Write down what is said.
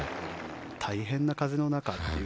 大変な風の中という。